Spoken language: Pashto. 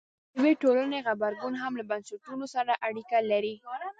د یوې ټولنې غبرګون هم له بنسټونو سره اړیکه لري.